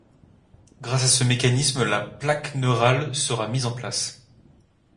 Grâce à ce mécanisme la plaque neurale sera mise en place.